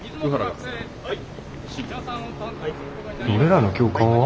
俺らの教官は？